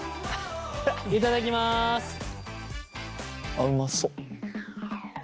あっうまそ。